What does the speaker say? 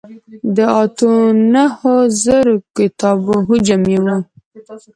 د اتو نهو زرو کتابو حجم یې و.